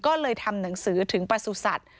ก็เลยทำหนังสือถึงประสุทธิ์สัตว์